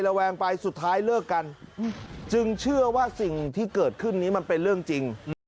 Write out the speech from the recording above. แวงไปสุดท้ายเลิกกันจึงเชื่อว่าสิ่งที่เกิดขึ้นนี้มันเป็นเรื่องจริง